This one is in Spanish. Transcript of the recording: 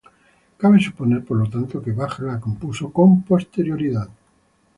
Cabe suponer por lo tanto que Bach la compuso con posterioridad.